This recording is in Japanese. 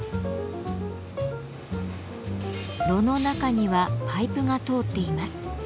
炉の中にはパイプが通っています。